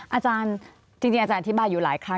อาจารย์จริงอาจารย์อธิบายอยู่หลายครั้ง